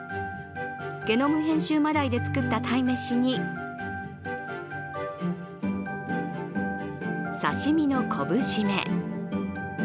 ゲノム編集マダイで作った鯛飯に、刺身の昆布締め。